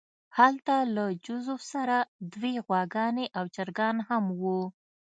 هلته له جوزف سره دوې غواګانې او چرګان هم وو